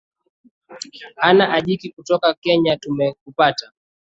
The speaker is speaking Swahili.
anna ajiki kutoka kenya tumekupata